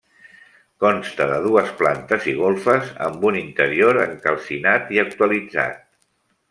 Consta de dues plantes i golfes, amb un interior encalcinat i actualitzat.